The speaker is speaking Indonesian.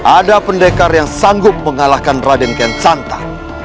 ada pendekar yang sanggup mengalahkan raden kensanta